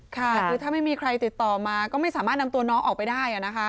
ค่ะคือถ้าไม่มีใครติดต่อมาก็ไม่สามารถนำตัวน้องออกไปได้นะคะ